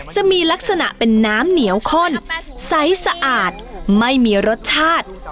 จะมีลักษณะเป็นน้ำเหนียวข้นไซส์สะอาดไม่มีรสชาติ